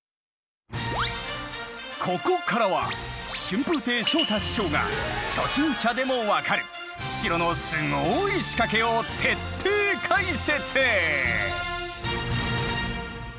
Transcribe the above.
ここからは春風亭昇太師匠が初心者でもわかる城のすごい仕掛けを徹底解説！